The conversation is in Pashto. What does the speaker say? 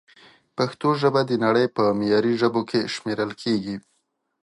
پښتو ژبه د نړۍ په معياري ژبو کښې شمېرل کېږي